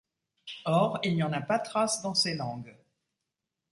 Or, il n'y en pas trace dans ces langues.